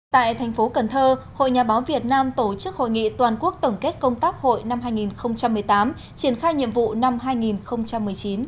tại thành phố cần thơ hội nhà báo việt nam tổ chức hội nghị toàn quốc tổng kết công tác hội năm hai nghìn một mươi tám triển khai nhiệm vụ năm hai nghìn một mươi chín